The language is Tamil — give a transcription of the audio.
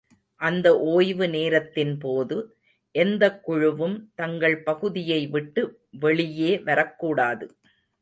அந்த ஒய்வு நேரத்தின்போது, எந்தக் குழுவும் தங்கள் பகுதியைவிட்டு வெளியே வரக்கூடாது.